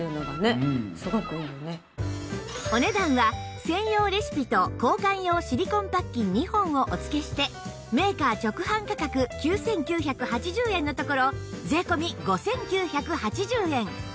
お値段は専用レシピと交換用シリコンパッキン２本をお付けしてメーカー直販価格９９８０円のところ税込５９８０円